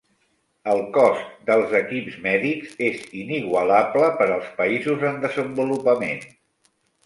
El cost dels equips mèdics és inigualable per als països en desenvolupament.